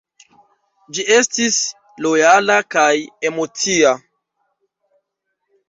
Ĝi estis lojala kai emocia.